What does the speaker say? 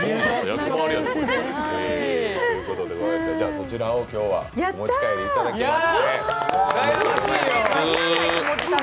こちらを今日はお持ち帰りいただきます。